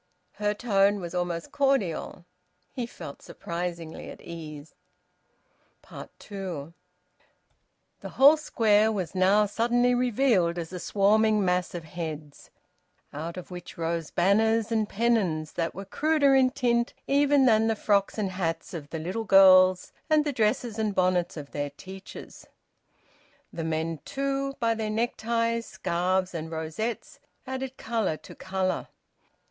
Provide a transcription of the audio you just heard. Her tone was almost cordial. He felt surprisingly at ease. TWO. The whole Square was now suddenly revealed as a swarming mass of heads, out of which rose banners and pennons that were cruder in tint even than the frocks and hats of the little girls and the dresses and bonnets of their teachers; the men, too, by their neckties, scarves, and rosettes, added colour to colour.